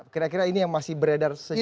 kira kira ini yang masih beredar sejauh ini